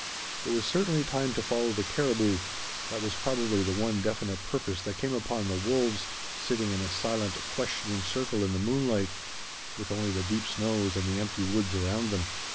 It was certainly time to follow the caribou that was probably the one definite purpose that came upon the wolves, sitting in a silent, questioning circle in the moonlight, with only the deep snows and the empty woods around them.